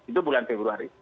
itu bulan februari